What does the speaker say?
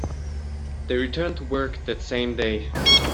They returned to work that same day.